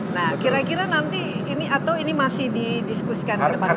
nah kira kira nanti ini atau ini masih didiskusikan ke depan